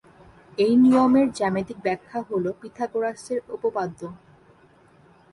এই নিয়মের জ্যামিতিক ব্যাখ্যা হলো পিথাগোরাসের উপপাদ্য।